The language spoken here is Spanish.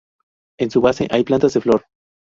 En su base hay plantas de flor.